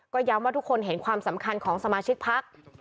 ก็ย้ำว่าทุกคนเห็นความสำคัญของสมาชิกพัก